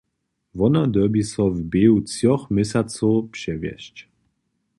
Wona dyrbi so w běhu třoch měsacow přewjesć.